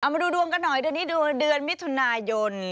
มาดูดวงกันหน่อยเดือนนี้ดูเดือนมิถุนายน